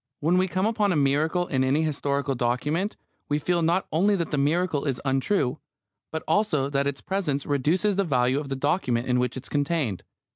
When we come upon a miracle in any historical document we feel not only that the miracle is untrue, but also that its presence reduces the value of the document in which it is contained.